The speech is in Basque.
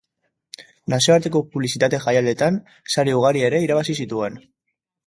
Nazioarteko publizitate jaialdietan sari ugari ere irabazi zituen.